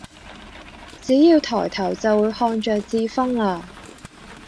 只要抬頭就會看著智勳啦！